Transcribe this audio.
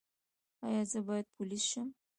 ایا زه باید پولیس شم؟